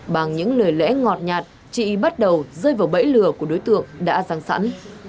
bằng những lời lẽ ngọt nhạt chị bắt đầu rơi vào bẫy lừa của đối tượng đã răng sẵn